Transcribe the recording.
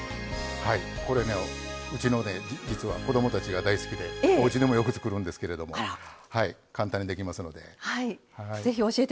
これ、うちの子どもたちが大好きで、おうちでもよく作るんですけども簡単にできますので。